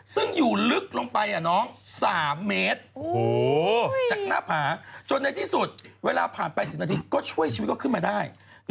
ซึ่งอยู่ลึกลงไปน้อง๓เมตรจากหน้าผาจนในที่สุดเวลาผ่านไป๑๐นาทีก็ช่วยชีวิตก็ขึ้นมาได้